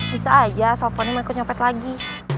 bisa aja soalnya fonny mau ikut nyopet lagi